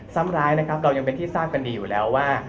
ซ้ำร้ายนะครับเรายังเป็นที่ทราบกันดีอยู่แล้วว่า